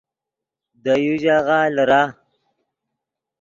دے یو ژاغہ لیرہ